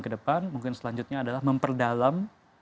ke depan mungkin selanjutnya adalah memperdalam